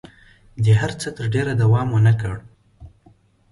دې هر څه تر ډېره دوام ونه کړ.